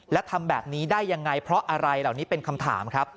และทำแบบนี้ได้ยังไงเพราะอะไรเหล่านี้เป็นคำถามครับ